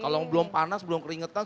kalau yang belum panas belum keringetan